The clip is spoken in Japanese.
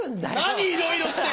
何いろいろって？